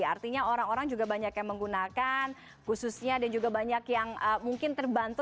artinya orang orang juga banyak yang menggunakan khususnya dan juga banyak yang mungkin terbantu